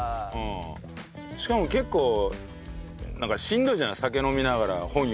しかも結構しんどいじゃない酒飲みながら本読むってさ。